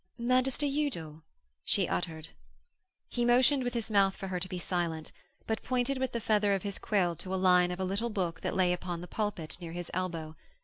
'Magister Udal!' she uttered. He motioned with his mouth for her to be silent, but pointed with the feather of his quill to a line of a little book that lay upon the pulpit near his elbow.